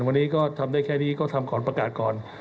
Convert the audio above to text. วันนี้ก็ทำได้แค่นี้ก็ทำก่อนประกาศก่อน